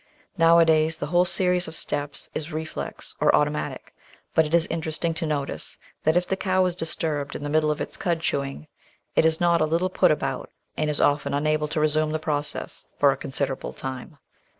Nowadays the whole series of steps is reflex or auto maticy but it is interesting to notice that if the cow is distiu*bed in the middle of its cud chewing it is not a little put about, and is often unable to resume the process for a considerable time.